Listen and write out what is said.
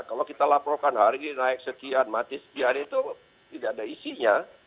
kalau kita laporkan hari ini naik sekian mati sekian itu tidak ada isinya